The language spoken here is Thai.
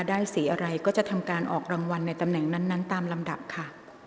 สีอะไรก็จะทำการออกรางวัลในตำแหน่งนั้นตามลำดับค่ะ